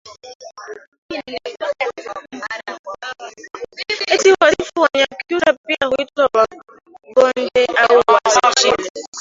Wasifu Wanyakyusa pia huitwa Wangonde au Wasochile